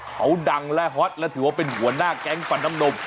เขาดังและฮอตและถือว่าเป็นหัวหน้าแก๊งฟันน้ำนม